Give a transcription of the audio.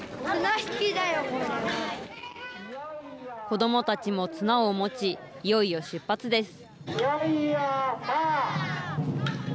子どもたちも綱を持ち、いよいよ出発です。